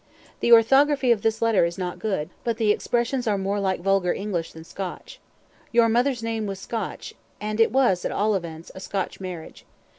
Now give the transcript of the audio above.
The orthography of this letter is not good; but the expressions are more like vulgar English than Scotch. Your mother's name was Scotch; and it was, at all events, a Scotch marriage.